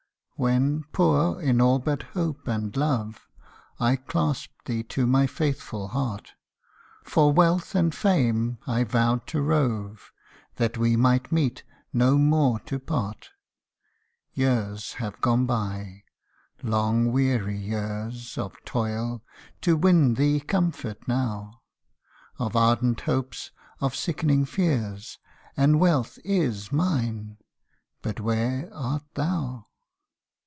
WHEN, poor in all but hope and love, I clasped thee to my faithful heart ; For wealth and fame I vowed to rove, That we might meet no more to part ! Years have gone by long weary years Of toil, to win thee comfort now Of ardent hopes of sickening fears And wealth is mine but where art thou